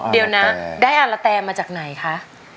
เดี๋ยวนะได้อาละแตมาจากไหนคะ